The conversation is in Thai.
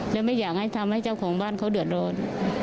และไม่อยากให้ทำให้เจ้าของบ้านเขาเดือดร้อน